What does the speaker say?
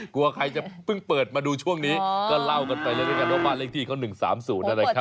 กลัวใครจะเพิ่งเปิดมาดูช่วงนี้ก็เล่ากันไปเลยด้วยกันว่าบ้านเลขที่เขา๑๓๐นะครับ